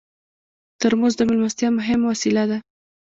ترموز د میلمستیا مهم وسیله ده.